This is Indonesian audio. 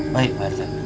baik pak r t